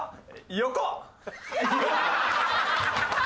横？